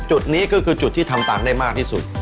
จุดนี้ก็คือจุดที่ทำต่างได้มากที่สุด